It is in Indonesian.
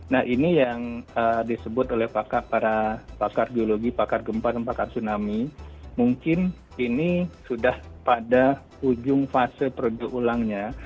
nah ini yang disebut oleh para pakar geologi pakar gempa dan pakar tsunami mungkin ini sudah pada ujung fase periode ulangnya